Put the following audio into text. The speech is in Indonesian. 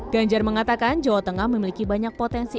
ganjar mengatakan jawa tengah memiliki banyak potensi